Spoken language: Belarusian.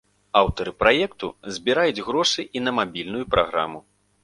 Аўтары праекту збіраюць грошы і на мабільную праграму.